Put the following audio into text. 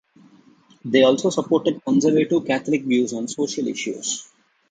They also supported conservative Catholic views on social issues.